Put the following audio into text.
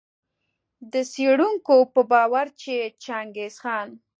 د څېړونکو په باور چي چنګیز خان